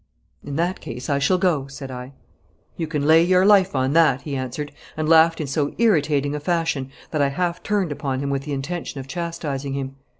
'In that case I shall go,' said I. 'You can lay your life on that!' he answered, and laughed in so irritating a fashion that I half turned upon him with the intention of chastising him.